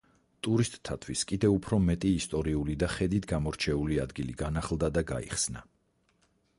ტურისტთათვის კიდევ უფრო მეტი ისტორიული და და ხედით გამორჩეული ადგილი განახლდა და გაიხსნა.